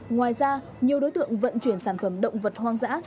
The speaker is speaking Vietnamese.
ngoài ra nhiều đối tượng vận chuyển sản phẩm động vật hoang dã